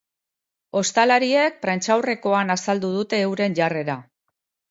Ostalariek prentsaurrekoan azaldu dute euren jarrera.